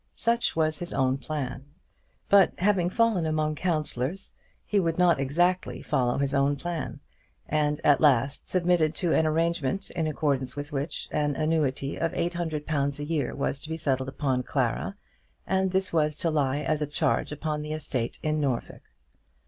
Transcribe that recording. Such was his own plan; but having fallen among counsellors he would not exactly follow his own plan, and at last submitted to an arrangement in accordance with which an annuity of eight hundred pounds a year was to be settled upon Clara, and this was to lie as a charge upon the estate in Norfolk.